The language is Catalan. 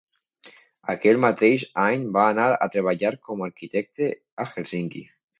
Aquell mateix any va anar a treballar com arquitecte a Helsinki.